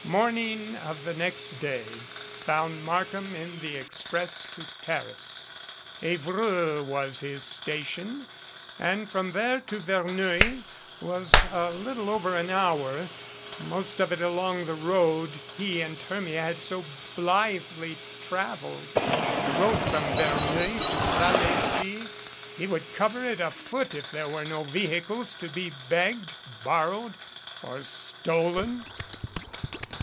Morning of the next day found Markham in the express to Paris. Evreux was his station, and from there to Verneuil was a little over an hour, most of it along the road he and Her mia had so blithely traveled. The road from Verneuil to Vallecy he would cover it afoot if there were no vehicles to be begged, borrowed or stolen.